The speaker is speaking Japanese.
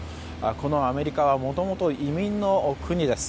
このアメリカはもともと移民の国です。